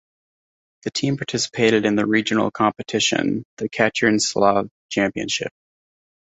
The team participated in the regional competition, the Katerynoslav championship.